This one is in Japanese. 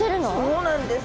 そうなんです。